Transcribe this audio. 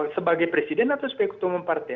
sebagai presiden atau sebagai ketua umum partai